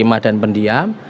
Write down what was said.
terima dan pendiam